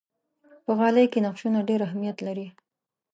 په غالۍ کې نقشونه ډېر اهمیت لري.